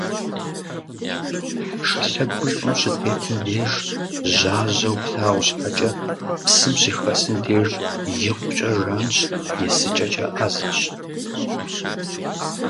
Шылъэгухэр щӏым щытетым деж жьажьэу плъагъу щхьэкӏэ, псым щыхэсым деж икъукӏэ жанщ, есыкӏэкӏэ ӏэзэщ.